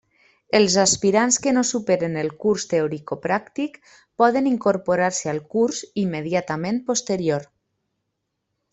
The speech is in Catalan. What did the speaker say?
Els aspirants que no superen el curs teoricopràctic poden incorporar-se al curs immediatament posterior.